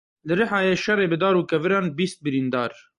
Li Rihayê şerê bi dar û keviran bîst birîndar.